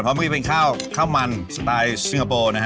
เพราะนี่เป็นข้าวมันสไตล์ซิงคโปร์นะฮะ